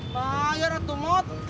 pak yaratu mod